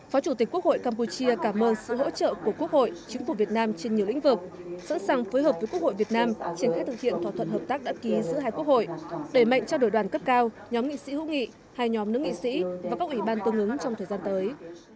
phó chủ tịch quốc hội campuchia cảm ơn sự hỗ trợ của quốc hội chính phủ việt nam trên nhiều lĩnh vực sẵn sàng phối hợp với quốc hội việt nam triển khai thực hiện thỏa thuận hợp tác đã ký giữa hai quốc hội đẩy mạnh cho đổi đoàn cấp cao nhóm nghị sĩ hữu nghị hai nhóm nước nghị sĩ và các ủy ban tương ứng trong thời gian tới